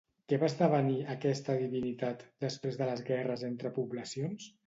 Què va esdevenir, aquesta divinitat, després de les guerres entre poblacions?